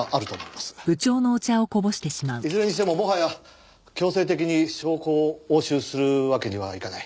いずれにしてももはや強制的に証拠を押収するわけにはいかない。